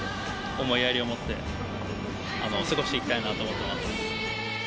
思いやりを持って過ごしていきたいなと思ってます。